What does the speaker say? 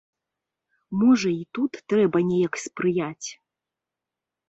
Можа, і тут трэба неяк спрыяць?